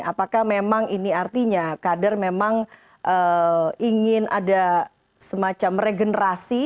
apakah memang ini artinya kader memang ingin ada semacam regenerasi